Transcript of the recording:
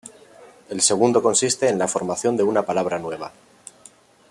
El segundo consiste en la formación de una palabra nueva.